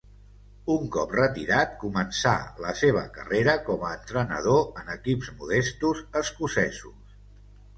Un cop retirat començà la seva carrera com a entrenador en equips modestos escocesos.